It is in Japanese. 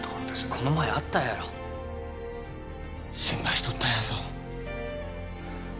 この前会ったやろ心配しとったんやぞ